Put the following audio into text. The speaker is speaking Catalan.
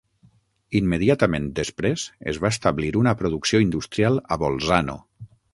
Immediatament després, es va establir una producció industrial a Bolzano.